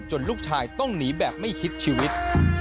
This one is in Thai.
ลูกชายต้องหนีแบบไม่คิดชีวิต